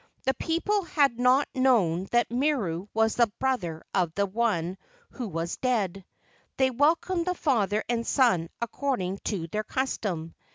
The people had not known that Miru was the brother of the one who was dead. They welcomed the father and son according to their custom.